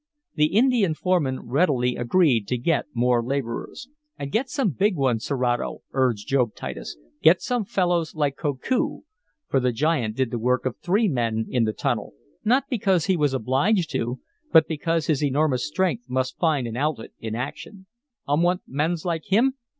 The Indian foreman readily agreed to get more laborers. "And get some big ones, Serato," urged Job Titus. "Get some fellows like Koku," for the giant did the work of three men in the tunnel, not because he was obliged to, but because his enormous strength must find an outlet in action. "Um want mans like him?"